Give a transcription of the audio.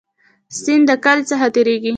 سیند د کلی څخه تیریږي